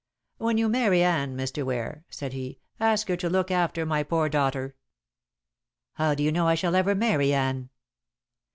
"When you marry Anne, Mr. Ware," said he, "ask her to look after my poor daughter." "How do you know I shall ever marry Anne?"